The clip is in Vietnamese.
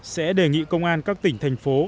sẽ đề nghị công an các tỉnh thành phố